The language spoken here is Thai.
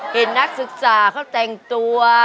นักศึกษาเขาแต่งตัว